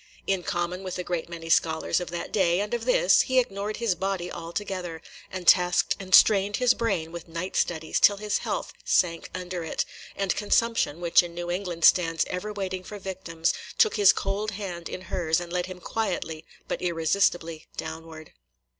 In common with a great many scholars of that day and of this, he ignored his body altogether, and tasked and strained his brain with night studies till his health sank under it; and Consumption, which in New England stands ever waiting for victims, took his cold hand in hers, and led him quietly but irresistibly downward.